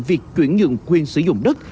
việc chuyển nhận quyền sử dụng đất